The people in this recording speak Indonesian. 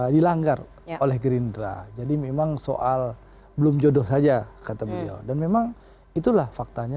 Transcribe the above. dilanggar oleh gerindra jadi memang soal belum jodoh saja kata beliau dan memang itulah faktanya